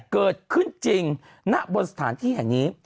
เกิดขึ้นจริงณบนสถานที่แห่งนี้